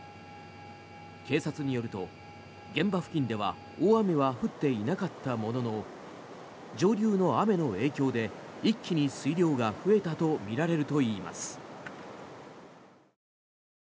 警察によると現場付近では大雨は降っていなかったものの上流の雨の影響で一気に水量が増えたとみられるといいます。